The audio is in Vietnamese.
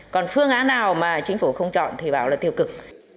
còn phương án nào mà chính phủ không chọn thì bảo là tiêu cực